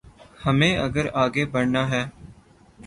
ہمیں اگر آگے بڑھنا ہے۔